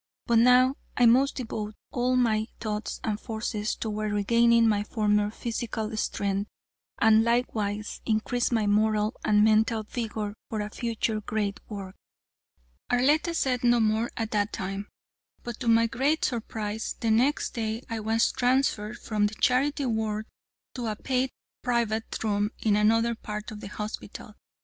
But now I must devote all of my thoughts and forces toward regaining my former physical strength, and likewise increase my moral and mental vigor for a future great work." Arletta said no more at that time, but to my great surprise, the next day I was transferred from the charity ward to a paid private room in another part of the hospital.